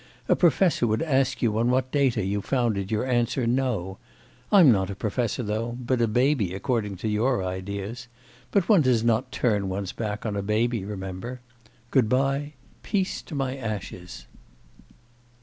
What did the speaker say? A professor would ask you on what data you founded your answer no. I'm not a professor though, but a baby according to your ideas; but one does not turn one's back on a baby, remember. Good bye! Peace to my ashes!